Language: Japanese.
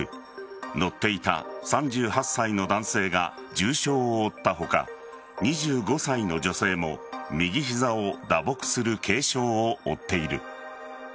乗っていた３８歳の男性が重傷を負った他２５歳の女性も右膝を打撲する軽傷を負っている。